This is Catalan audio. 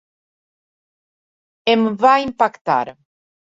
Em va impactar.